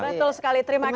betul sekali terima kasih